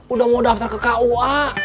udah mau daftar ke kua